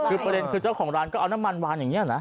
คือประเด็นคือเจ้าของร้านก็เอาน้ำมันวางอย่างนี้นะ